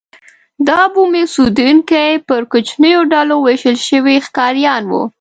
دا بومي اوسېدونکي پر کوچنیو ډلو وېشل شوي ښکاریان وو.